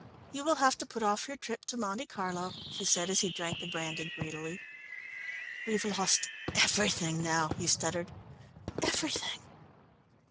"You will have to put off your trip to Monte Carlo," she said, as he drank the brandy greedily. "We've lost everything now," he stuttered, "everything."